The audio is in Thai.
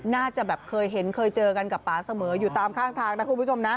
น่าจะแบบเคยเห็นเคยเจอกันกับป่าเสมออยู่ตามข้างทางนะคุณผู้ชมนะ